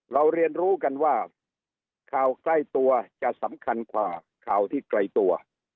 เรียนรู้กันว่าข่าวใกล้ตัวจะสำคัญกว่าข่าวที่ไกลตัว